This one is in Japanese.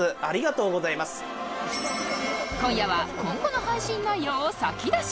今夜は今後の配信内容を先出し